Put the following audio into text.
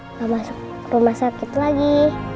nggak masuk rumah sakit lagi